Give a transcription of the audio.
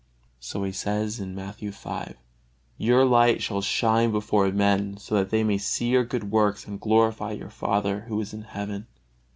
So He says, Matthew v: "Your light shall shine before men, so that they may see your good works and glorify your Father Who is in heaven."